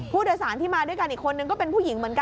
ผู้โดยสารที่มาด้วยกันอีกคนนึงก็เป็นผู้หญิงเหมือนกัน